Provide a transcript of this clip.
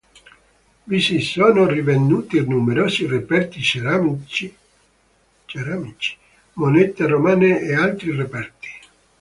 Vi si sono rinvenuti numerosi reperti ceramici, monete romane e altri reperti.